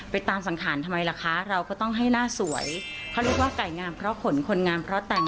ผลงามเพราะผลคนงามเพราะตัง